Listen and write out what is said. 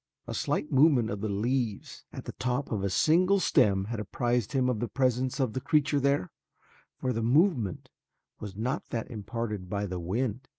A slight movement of the leaves at the top of a single stem had apprised him of the presence of a creature there, for the movement was not that imparted by the wind.